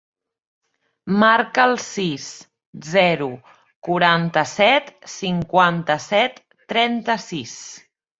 Marca el sis, zero, quaranta-set, cinquanta-set, trenta-sis.